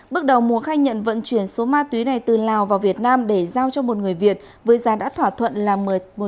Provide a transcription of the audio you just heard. bước đầu mùa khai nhận vận chuyển số ma túy này từ lào vào việt nam để giao cho một người việt với giá đã thỏa thuận là một trăm hai mươi usd